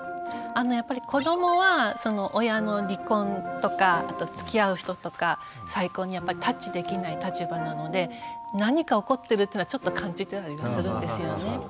やっぱり子どもは親の離婚とかあとつきあう人とか再婚にやっぱりタッチできない立場なので何か起こってるっていうのはちょっと感じていたりはするんですよね。